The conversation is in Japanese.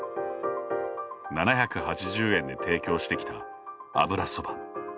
７８０円で提供してきた油そば。